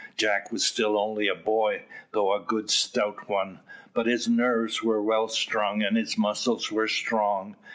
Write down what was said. Jack was still only a boy, though a good stout one, but his nerves were well strung and his muscles were strong.